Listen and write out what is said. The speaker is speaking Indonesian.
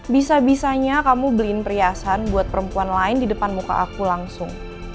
bisa bisanya kamu beliin perhiasan buat perempuan lain di depan muka aku langsung